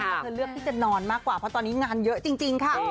แล้วเธอเลือกที่จะนอนมากกว่าเพราะตอนนี้งานเยอะจริงค่ะ